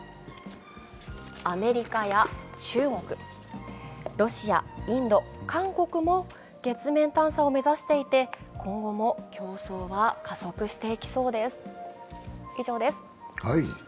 アメリカや中国、ロシア、インド、韓国も月面探査を目指していて、今後も競争は加速していきそうです。